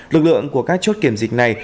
lực lượng của các chốt kiểm dịch này